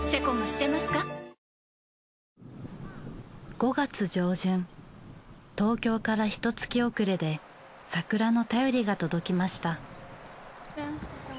５月上旬東京からひと月遅れで桜の便りが届きました。